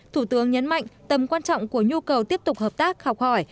thủ tướng nhấn mạnh tầm quan trọng của nhu cầu tiếp tục hợp tác học hỏi